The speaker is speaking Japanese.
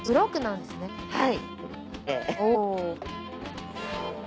はい。